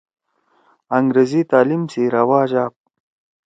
انگریزی تعلیم سی رواج آپ۔